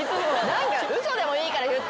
何か嘘でもいいから言ってよ。